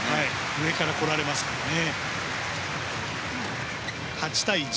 上から来られますとね。